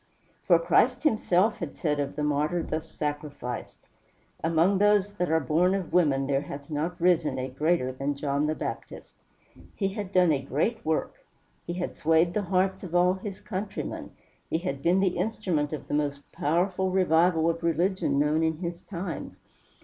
For Christ himself had said of the martyr thus sacrificed: "Among those that are born of women there hath not risen a greater than John the Baptist." He had done a great work; he had swayed the hearts of all his countrymen; he had been the instrument of the most powerful revival of religion known in his times.